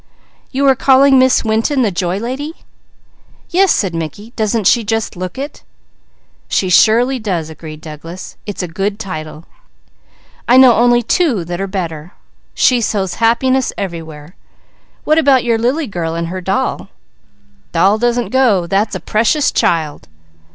"You are calling Miss Winton the Joy Lady?" "Yes," said Mickey. "Doesn't she just look it?" "She surely does," agreed Douglas. "It's a good title. I know only two that are better. She sows happiness everywhere. What about your Lily girl and her doll?" "Doll doesn't go. That's a Precious Child!"